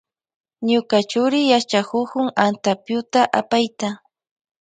Ñuka churi yachakukun antapyuta apayta.